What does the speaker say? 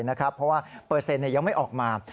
เพราะว่าเปอร์เซ็นต์ยังไม่ออกมา